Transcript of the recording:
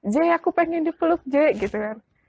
jey aku pengen dipeluk jey gitu kan